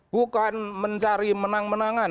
bukan mencari menang menangan